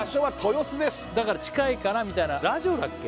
だから近いからみたいなラジオだっけ？